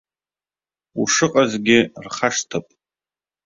Ушыҟазгьы рхашҭып.